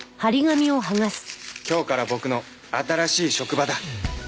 今日から僕の新しい職場だ